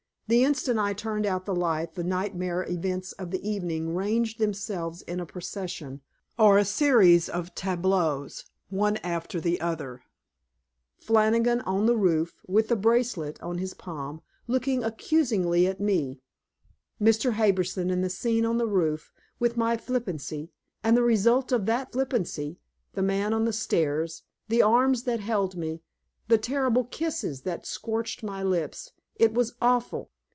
The instant I turned out the light the nightmare events of the evening ranged themselves in a procession, or a series of tableaus, one after the other; Flannigan on the roof, with the bracelet on his palm, looking accusingly at me; Mr. Harbison and the scene on the roof, with my flippancy; and the result of that flippancy the man on the stairs, the arms that held me, the terrible kisses that had scorched my lips it was awful!